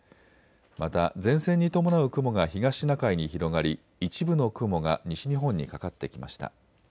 また前線に伴う雲が東シナ海に広がり一部の雲が西日本にかかってきました。